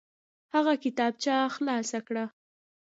هغه کتابچه خلاصه کړه.